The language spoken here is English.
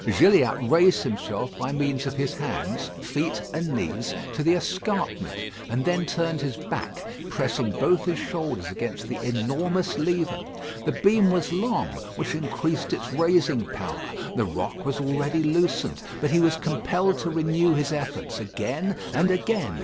Gilliatt raised himself by means of his hands, feet, and knees to the escarpment, and then turned his back, pressing both his shoulders against the enormous lever. The beam was long, which increased its raising power. The rock was already loosened; but he was compelled to renew his efforts again and again.